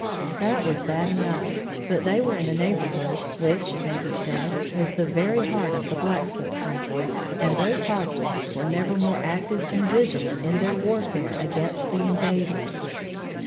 That was bad enough, but they were in a neighborhood which, it may be said, was the very heart of the Blackfoot country, and those hostiles were never more active and vigilant in their warfare against the invaders.